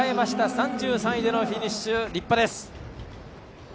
３３位でのフィニッシュ立派です。